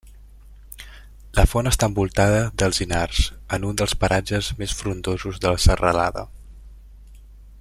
La font està envoltada d'alzinars, en un dels paratges més frondosos de la serralada.